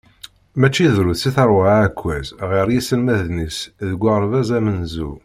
Mačči drus i terwa aɛekkaz ɣer yiselmaden-is deg uɣerbaz amenzu.